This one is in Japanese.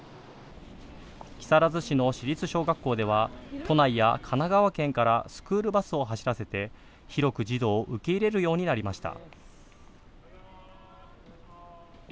木更津市の私立小学校では都内や神奈川県からスクールバスを走らせて、広く児童を受け入れるようになりました。